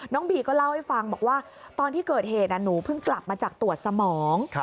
บีก็เล่าให้ฟังบอกว่าตอนที่เกิดเหตุหนูเพิ่งกลับมาจากตรวจสมอง